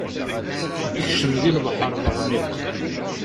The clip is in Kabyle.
Ikcem di lebḥeṛ leɣmiq.